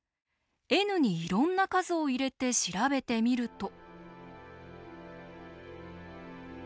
ｎにいろんな数を入れて調べてみると。